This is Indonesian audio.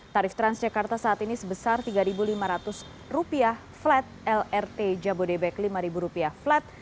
tarif transjakarta saat ini sebesar rp tiga lima ratus flat lrt jabodebek rp lima flat